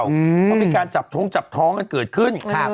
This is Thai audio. เพราะมีการจับท้องจับท้องกันเกิดขึ้น